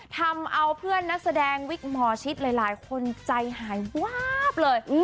ทำเอาเพื่อนนักแสดงวิกหมอชิดหลายคนใจหายวาบเลย